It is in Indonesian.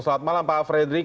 selamat malam pak fredrik